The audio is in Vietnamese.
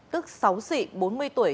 tức sáu sĩ bốn mươi tuổi